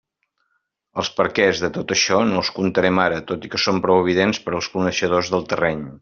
Els perquès de tot això no els contarem ara, tot i que són prou evidents per als coneixedors del terreny.